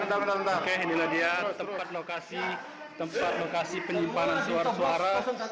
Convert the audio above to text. oke inilah dia tempat lokasi penyimpanan surat suara